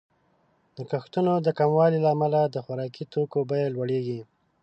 د کښتونو د کموالي له امله د خوراکي توکو بیې لوړیږي.